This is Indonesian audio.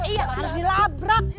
iya harus dilabrak